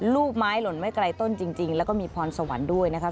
ลูกไม้หล่นไม่ไกลต้นจริงแล้วก็มีพรสวรรค์ด้วยนะครับ